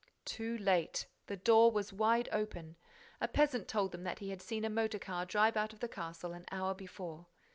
Too late. The door was wide open. A peasant told them that he had seen a motor car drive out of the castle an hour before.